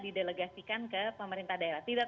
didelegasikan ke pemerintah daerah tidak